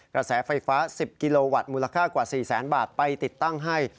กระแสไฟฟ้า๑๐กิโลวัตต์มูลค่ากว่า๔แสนบาทไปติดตั้งให้